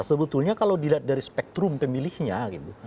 sebetulnya kalau dilihat dari spektrum pemilihnya gitu